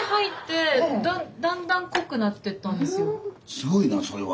すごいなそれは。